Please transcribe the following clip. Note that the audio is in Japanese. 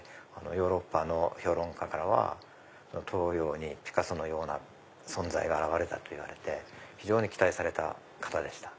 ヨーロッパの評論家からは東洋にピカソのような存在が現れたと言われて非常に期待された方でした。